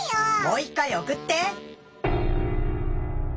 もう一回おくって！